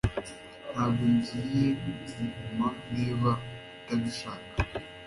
Ntabwo ngiye kuguma niba utabishaka